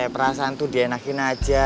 perasaan tuh di enakin aja